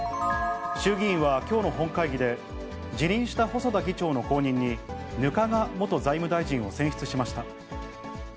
衆議院はきょうの本会議で、辞任した細田議長の後任に、額賀元財務大臣を選出しました。